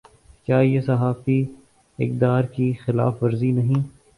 کیا یہ صحافی اقدار کی خلاف ورزی نہیں۔